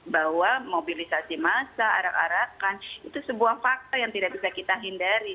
bahwa mobilisasi massa arak arakan itu sebuah fakta yang tidak bisa kita hindari